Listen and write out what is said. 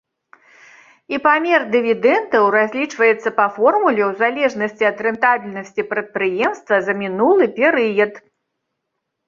І памер дывідэндаў разлічваецца па формуле ў залежнасці ад рэнтабельнасці прадпрыемства за мінулы перыяд.